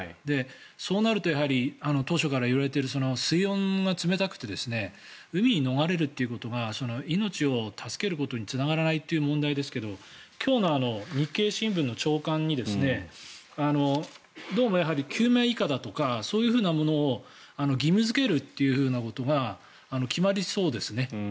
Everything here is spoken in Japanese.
そうなるとやはり当初から言われている水温が冷たくて海に逃れるということが命を助けることにつながらないという問題ですけど今日の日経新聞の朝刊にどうも、救命いかだとかそういうものを義務付けるというふうなことが決まりそうですね。